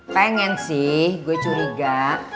pengen sih gue curiga